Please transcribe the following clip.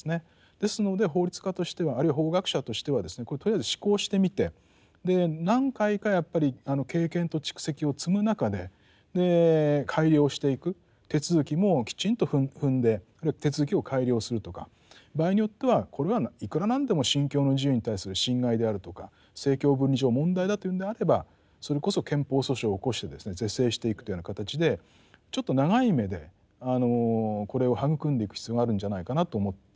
ですので法律家としてはあるいは法学者としてはですねこれとりあえず試行してみて何回かやっぱり経験と蓄積を積む中で改良していく手続きもきちんと踏んであるいは手続きを改良するとか場合によってはこれはいくらなんでも信教の自由に対する侵害であるとか政教分離上問題だというんであればそれこそ憲法訴訟を起こしてですね是正していくというような形でちょっと長い目でこれを育んでいく必要があるんじゃないかなと思っております。